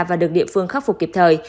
và được địa phương khắc phục kịp thời